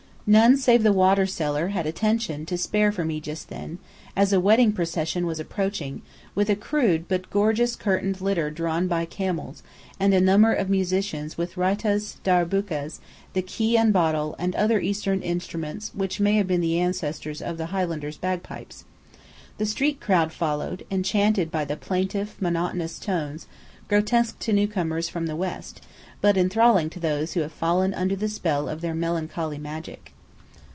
None save the water seller had attention to spare for me just then, as a wedding procession was approaching, with a crude but gorgeous curtained litter drawn by camels, and a number of musicians with räitas, darabukas, the "key and bottle," and other Eastern instruments which may have been ancestors of the Highlanders' bagpipes. The street crowd followed, enchanted by the plaintive, monotonous notes, grotesque to newcomers from the west, but enthralling to those who have fallen under the spell of their melancholy magic.